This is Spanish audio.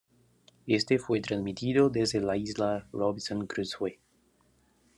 Éste fue transmitido desde la Isla Robinson Crusoe.